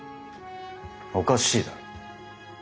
おかしいだろ。